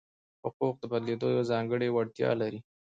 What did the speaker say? حقوق د بدلېدو یوه ځانګړې وړتیا لري.